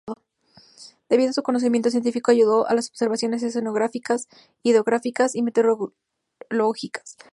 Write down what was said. Debido a su conocimiento científico, ayudó en las observaciones oceanográficas, hidrográficas y meteorológicas.